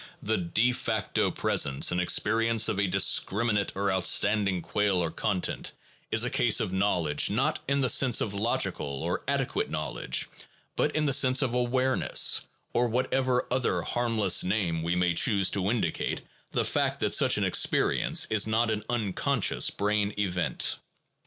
The 'de facto presence in experience of a discriminate or outstanding quale or content' is a case of knowledge, not in the sense of logical or adequate knowledge, but in the sense of awareness, or whatever other harmless name we may choose to indicate the fact that such an experience is not an unconscious brain event.